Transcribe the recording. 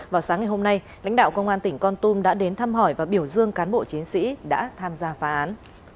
vào sáng ngày hôm nay lãnh đạo công an tỉnh con tum đã đến thăm hỏi và biểu dương cán bộ chiến sĩ đã tham gia phá án